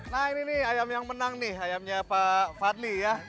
nah ini nih ayam yang menang nih ayamnya pak fadli ya